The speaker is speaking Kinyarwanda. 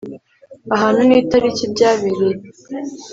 Ahantu n itariki byabereye